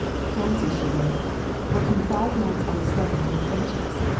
"Fancy," she wrote, "working five nights out of seven in the trenches!